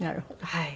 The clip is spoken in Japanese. はい。